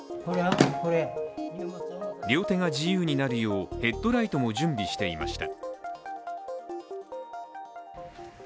両手が自由になるようヘッドライトも準備していました。